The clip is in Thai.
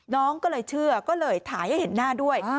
น้องก็เลยเชื่อก็เลยถ่ายให้เห็นหน้าด้วย